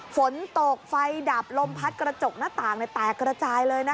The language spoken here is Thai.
ฝนตกไฟดับลมพัดกระจกหน้าต่างแตกกระจายเลยนะคะ